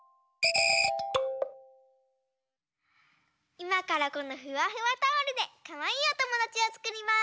いまからこのフワフワタオルでかわいいおともだちをつくります！